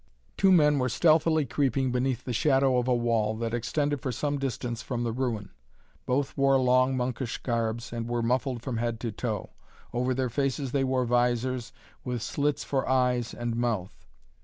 Two men were stealthily creeping beneath the shadow of a wall that extended for some distance from the ruin. Both wore long monkish garbs and were muffled from head to toe. Over their faces they wore vizors with slits for eyes and mouth.